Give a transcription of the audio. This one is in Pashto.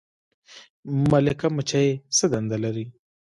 ملکه مچۍ څه دنده لري؟